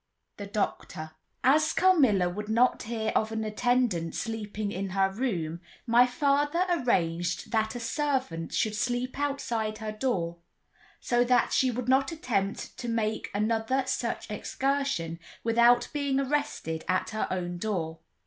The Doctor As Carmilla would not hear of an attendant sleeping in her room, my father arranged that a servant should sleep outside her door, so that she would not attempt to make another such excursion without being arrested at her own door.